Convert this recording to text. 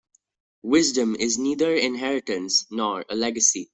Wisdom is neither inheritance nor a legacy.